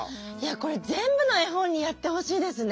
これ全部の絵本にやってほしいですね。